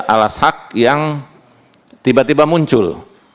alas hak yang tiba tiba muncul